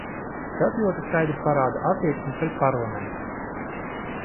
Tas ļoti skaidri parāda attieksmi pret parlamentu.